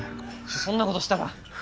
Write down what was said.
そんなことしたら。